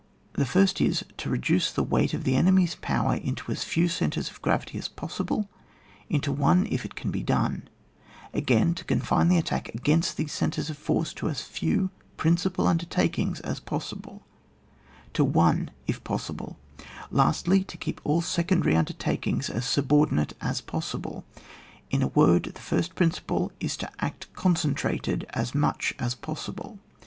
The first is : to reduce the weight of the enemy's power into as few centres of gravity as possible, into one if it can be done ; again, to confine the attack against these centres of force to as few principal undertakings as possible, to one if pos sible ; lastly, to keep all secondary un dertakings as subordinate as possible. In a word, the first principle is, to act concentrated as much as poesihte.